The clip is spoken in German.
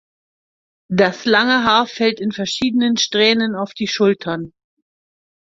Das lange Haar fällt in verschiedenen Strähnen auf die Schultern.